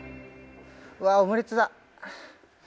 うわっオムレツだ。